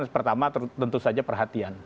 pertama tentu saja perhatian